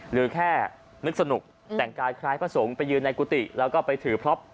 หรือแค่นึกสนุกแต่งกายคล้ายพระสงฆ์ไปยืนในกุฏิแล้วก็ไปถือพล็อป